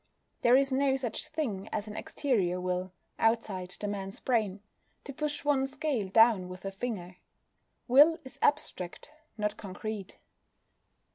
There is no such thing as an exterior will outside the man's brain, to push one scale down with a finger. Will is abstract, not concrete.